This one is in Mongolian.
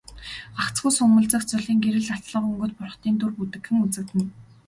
Гагцхүү сүүмэлзэх зулын гэрэлд алтлаг өнгөт бурхдын дүр бүдэгхэн үзэгдэнэ.